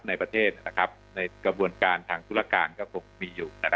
ในประเทศในกระบวนการทางธุรการก็คงมีอยู่